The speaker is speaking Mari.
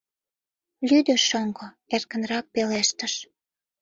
Лӱдӧ шоҥго, эркынрак пелештыш;